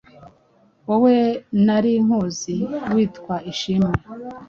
wowe nari nkuzi witwa Ishimwe’,